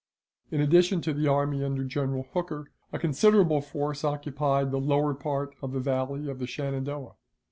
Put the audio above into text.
In addition to the army under General Hooker, a considerable force occupied the lower part of the Valley of the Shenandoah.